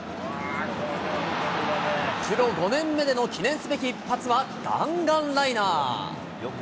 プロ５年目での記念すべき一発は弾丸ライナー。